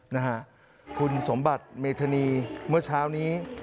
นะคะคุณสมบัติเมฅทินีเมื่อเชาห์นี้